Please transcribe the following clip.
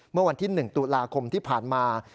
เมื่อวันที่๑ตุลาคมที่ผ่านมา